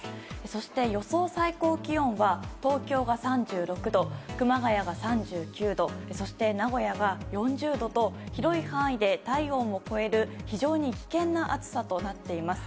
そして、予想最高気温は東京が３６度熊谷が３９度そして、名古屋が４０度と広い範囲で体温を超える非常に危険な暑さとなっています。